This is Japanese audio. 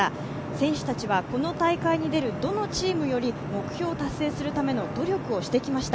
選手たちはこの大会に出るどのチームより目標を達成するための努力をしてきました。